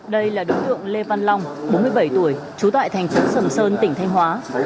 đây là đối tượng lê văn long bốn mươi bảy tuổi trú tại thành phố sầm sơn tỉnh thanh hóa